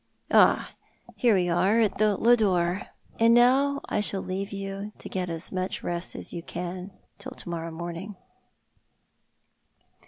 Ah, here we are at the Lodore ; and now I shall leave you to get as much rest as you can till to morrow morning."